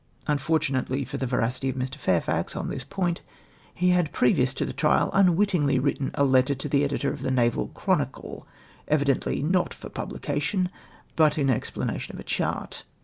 Unfortunately for the veracity of j\Ii\ Fairfax on this point, he had previous to the trial unwittingly written a letter to the editor of the Antral Chronicle, evidently not for publication, but in explanation of a chart.